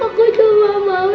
aku juga mau